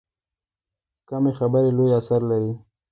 کمې خبرې، لوی اثر لري.